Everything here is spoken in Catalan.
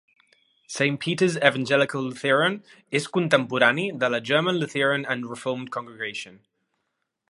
Saint Peter's Evangelical Lutheran és contemporani de la "German Lutheran and Reformed Congregation".